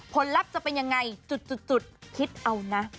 ผลลักษณ์จะเป็นอย่างไรจุดคิดเอานะ